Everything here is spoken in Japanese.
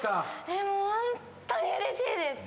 もうホントにうれしいです。